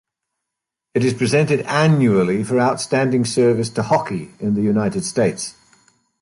It is presented annually for "outstanding service to hockey in the United States".